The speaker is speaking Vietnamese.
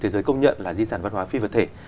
thế giới công nhận là di sản văn hóa phi vật thể